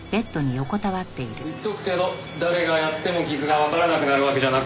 言っとくけど誰がやっても傷がわからなくなるわけじゃなく